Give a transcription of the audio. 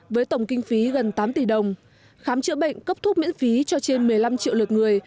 với tổng kinh phí gần tám tỷ đồng khám chữa bệnh cấp thuốc miễn phí cho trên một mươi năm triệu lượt người